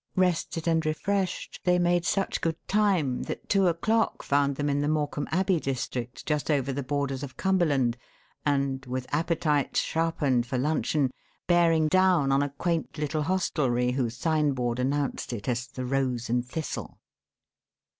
Rested and refreshed, they made such good time that two o'clock found them in the Morcam Abbey district, just over the borders of Cumberland, and, with appetites sharpened for luncheon, bearing down on a quaint little hostlery whose signboard announced it as the Rose and Thistle.